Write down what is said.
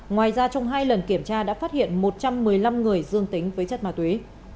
ngoài ra trong hai lần kiểm tra đã phát hiện một trăm một mươi năm người dương tính với chất ma túy